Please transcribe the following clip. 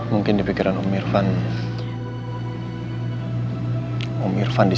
mungkin di pikiran om irvan